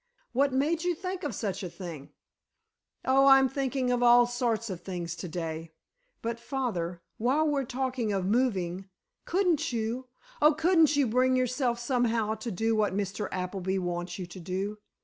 What made you think of such a thing?" "Oh, I'm thinking of all sorts of things to day. But, father, while we're talking of moving—couldn't you—oh, couldn't you, bring yourself, somehow, to do what Mr. Appleby wants you to do?